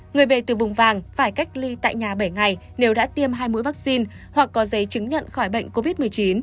người về từ vùng vàng phải cách ly tại nhà bảy ngày nếu đã tiêm hai mũi vaccine hoặc có giấy chứng nhận khỏi bệnh covid một mươi chín